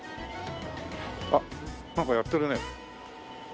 あっなんかやってるね。